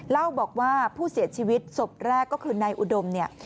เล่าบอกว่าผู้เสียชีวิตศพแรกก็คือนายอุดมเนี่ย